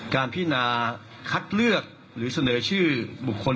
การพินาคัดเลือกหรือเสนอชื่อบุคคล